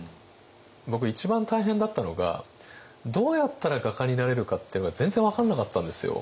僕一番大変だったのがどうやったら画家になれるかっていうのが全然分からなかったんですよ。